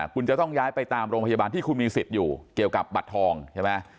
คุณจะต้องย้ายไปตามโรงพยาบาลที่คุณมีสิทธิ์อยู่เกี่ยวกับบัตรทองใช่ไหม